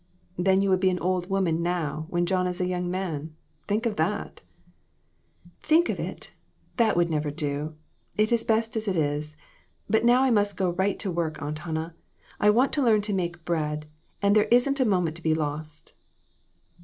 "Then you would be an old woman now, when John is a young man. Think of that !"" Think of it ! That would never do. It is best as it is. But now I must go right to work, Aunt Hannah. I want to learn to make bread, 'and there isn't a moment to be lost."